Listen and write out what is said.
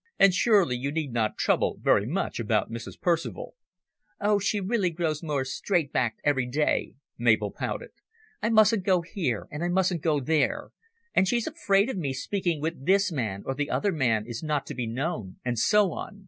And surely you need not trouble very much about Mrs. Percival." "Oh, she really grows more straight backed every day," Mabel pouted. "I mustn't go here, and I mustn't go there, and she's afraid of me speaking with this man, and the other man is not to be known, and so on.